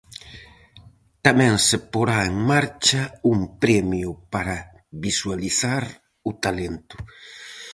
Tamén se porá en marcha un premio para visualizar o talento.